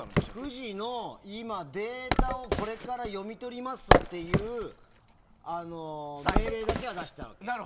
富士の今、データをこれから読み取りますっていう命令だけは出したわけ。